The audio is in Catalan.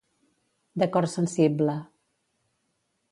De cor sensible.